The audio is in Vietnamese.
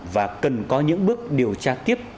và cần có những bước điều tra tiếp